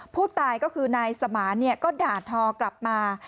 ผู้ตายก็คือนายสมานก็ด่าทอกลับมา